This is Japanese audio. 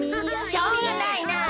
しょうがないなあ。